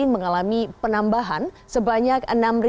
mengalami penambahan sebanyak enam lima ratus sembilan puluh dua